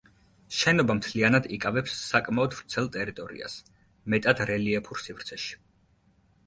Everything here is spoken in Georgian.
შენობა მთლიანად იკავებს საკმაოდ ვრცელ ტერიტორიას, მეტად რელიეფურ სივრცეში.